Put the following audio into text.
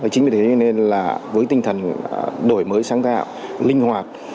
chính vì thế nên là với tinh thần đổi mới sáng tạo linh hoạt